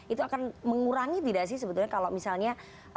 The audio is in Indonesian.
itu akan mengurangi tidak sih sebetulnya kalau misalnya